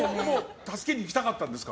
助けに行きたかったんですか？